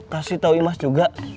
kasih tahu imas juga